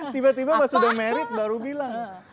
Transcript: tiba tiba pas udah married baru bilang